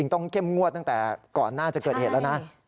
ต้องเข้มงวดตั้งแต่ก่อนหน้าจะเกิดเหตุแล้วนะ